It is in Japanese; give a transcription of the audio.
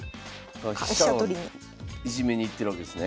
飛車をいじめにいってるわけですね。